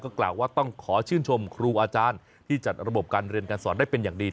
กล่าวว่าต้องขอชื่นชมครูอาจารย์ที่จัดระบบการเรียนการสอนได้เป็นอย่างดี